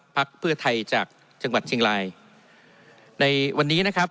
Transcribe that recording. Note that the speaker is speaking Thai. พรรคเผื่อไทยจากจังหวัดชิงหลายในวันนี้นะครับ